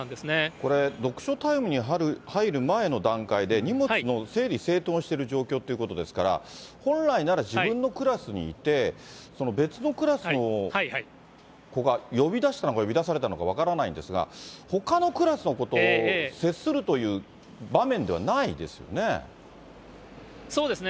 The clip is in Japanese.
これ、読書タイムに入る前の段階で、荷物の整理整頓をしてる状況ということですから、本来なら、自分のクラスにいて、別のクラスの子が呼び出したのか、呼び出されたのか、分からないんですが、ほかのクラスの子と接するという場面ではないですよね。